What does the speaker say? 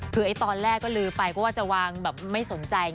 คือตอนแรกก็ลือไปก็ว่าจะวางแบบไม่สนใจ